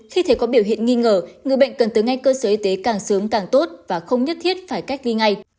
khi thấy có biểu hiện nghi ngờ người bệnh cần tới ngay cơ sở y tế càng sớm càng tốt và không nhất thiết phải cách ly ngay